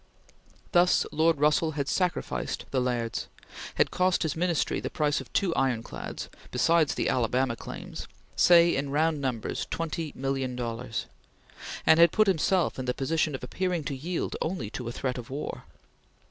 Thus, Lord Russell had sacrificed the Lairds: had cost his Ministry the price of two ironclads, besides the Alabama Claims say, in round numbers, twenty million dollars and had put himself in the position of appearing to yield only to a threat of war.